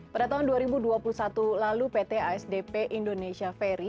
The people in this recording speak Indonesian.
pada tahun dua ribu dua puluh satu lalu pt asdp indonesia ferry